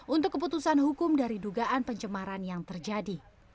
untuk keputusan hukum dari dugaan pencemaran yang terjadi